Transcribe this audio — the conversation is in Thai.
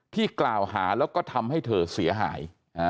ที่กล่าวหาแล้วก็ทำให้เธอเสียหาย